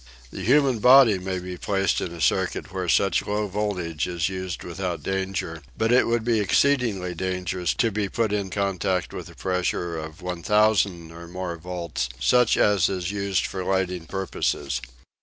The human body may be placed in a circuit where such low voltage is used without danger, but it would be exceedingly dangerous to be put in contact with a pressure of 1000 or more volts, such as is used for lighting purposes.